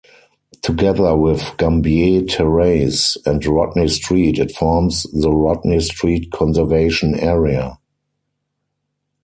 Together with Gambier Terrace and Rodney Street it forms the Rodney Street conservation area.